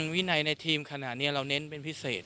วินัยในทีมขนาดนี้เราเน้นเป็นพิเศษ